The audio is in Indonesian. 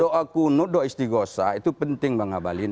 doa kunud doa istikosah itu penting bang habalin